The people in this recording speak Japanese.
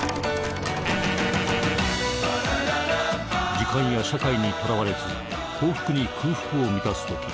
時間や社会にとらわれず幸福に空腹を満たすとき